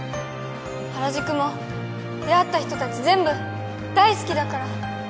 原宿も出会った人たち全部大好きだから。